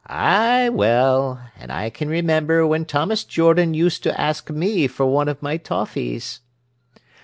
"Ay, well, and I can remember when Thomas Jordan used to ask me for one of my toffies."